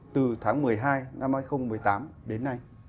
từ tháng một mươi hai năm hai nghìn một mươi tám đến nay